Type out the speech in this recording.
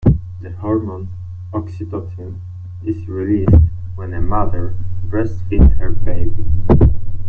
The hormone oxytocin is released when a mother breastfeeds her baby.